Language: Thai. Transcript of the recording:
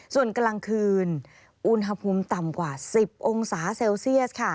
ส่วนกลางคืนอุณหภูมิต่ำกว่า๑๐องศาเซลเซียสค่ะ